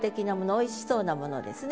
おいしそうな物ですね。